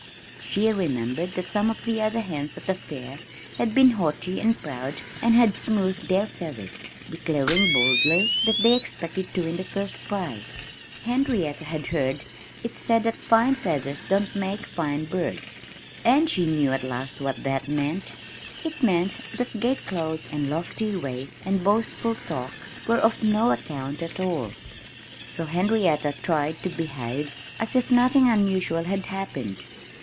She remembered that some of the other hens at the fair had been haughty and proud and had smoothed their feathers, declaring boldly that they expected to win the first prize. Henrietta had heard it said that fine feathers don't make fine birds. And she knew at last what that meant. It meant that gay clothes and lofty ways and boastful talk were of no account at all. So Henrietta tried to behave as if nothing unusual had happened.